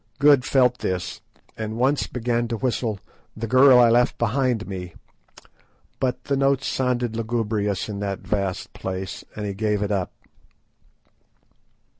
Good felt this, and once began to whistle "The Girl I left behind me," but the notes sounded lugubrious in that vast place, and he gave it up.